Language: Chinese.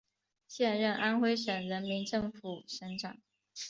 现任安徽省人民政府省长。